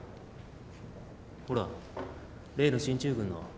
ほら例の進駐軍の。